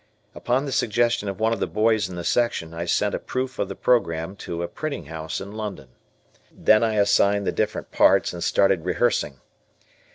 Upon the suggestion of one of the boys in the section I sent a proof of the program to a printing house in London. Then I assigned the different parts and started rehearsing.